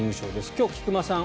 今日は菊間さん